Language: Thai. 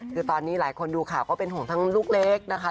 คือตอนนี้หลายคนดูข่าวก็เป็นห่วงทั้งลูกเล็กนะคะ